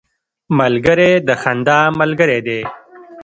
ملګری د خندا ملګری دی